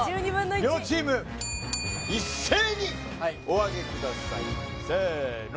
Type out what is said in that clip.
両チーム一斉におあげくださいせーの！